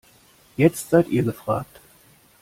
Jetzt seid ihr gefragt.